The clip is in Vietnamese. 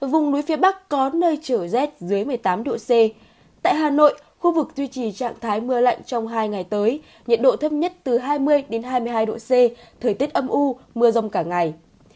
vùng núi phía bắc có nơi trở rét dưới một mươi tám độ c tại hà nội khu vực duy trì trạng thái mưa lạnh trong hai ngày tới nhiệt độ thấp nhất từ hai mươi hai mươi hai độ c thời tiết âm u mưa rông cả ngày